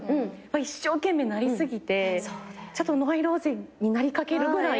一生懸命になり過ぎてちょっとノイローゼになりかけるぐらいで。